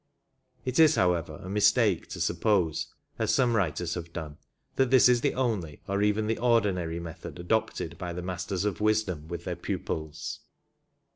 It is, however, a mis take to suppose, as some writers have done, that this is the only, or even the ordinary method adopted by the Masters of Wisdom with their pupils.